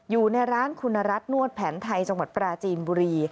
อยู่ในร้านคุณรัฐนวดแผนไทยจังหวัดปราจีนบุรี